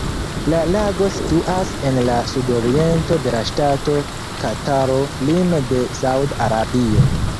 La lago situas en la sudoriento de la ŝtato Kataro lime de Sauda Arabio.